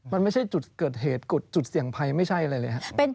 มันไม่ใช่จุดเกิดเหตุกุฎจุดเสี่ยงภัยไม่ใช่อะไรเลยครับ